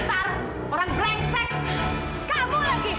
dasar orang berlengsek